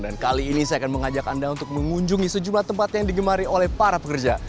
dan kali ini saya akan mengajak anda untuk mengunjungi sejumlah tempat yang digemari oleh para pekerja